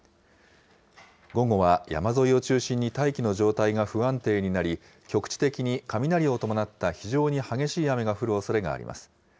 午後は山沿いを中心に大気の状態が不安定になり、局地的に雷を伴った非常に激しい雨が降るおそれがあります。